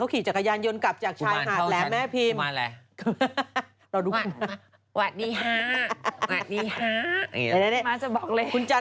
ไฟไหม้แล้วนะ